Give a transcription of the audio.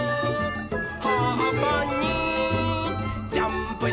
「はっぱにジャンプして」